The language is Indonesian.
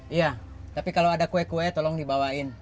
iya tapi kalau ada kue kue tolong dibawain